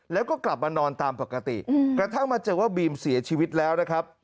แล้วก็กลับมานอนตามปกติกระทั่งมาเจอว่าบีมเสียชีวิตแล้วนะครับ